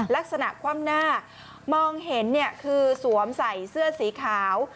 ลักษณะคว่ำหน้ามองเห็นเนี่ยคือสวมใส่เสื้อสีขาว